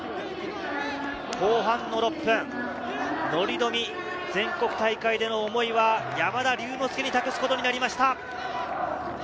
後半６分、乗冨、全国大会での思いは、山田龍之介に託すことになりました。